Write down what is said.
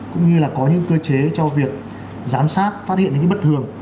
cũng như là có những cơ chế cho việc giám sát phát hiện những bất thường